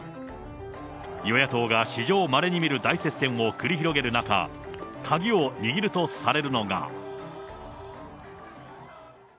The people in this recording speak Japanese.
与野党が史上まれに見る大接戦を繰り広げる中、鍵を握るとされるのが。